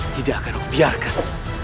tidak akan aku biarkan